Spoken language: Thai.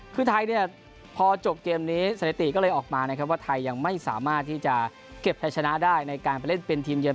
คือไทยเนี่ยพอจบเกมนี้สถิติก็เลยออกมานะครับว่าไทยยังไม่สามารถที่จะเก็บไทยชนะได้ในการไปเล่นเป็นทีมเยือ